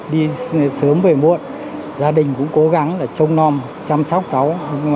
đi sớm về muộn gia đình cũng cố gắng là trông non chăm sóc cháu